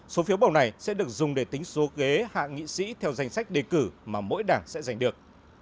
số phiếu bầu này sẽ được dùng để tính số ghế hạ nghị sĩ theo danh sách đề cử mà mỗi đảng sẽ giành được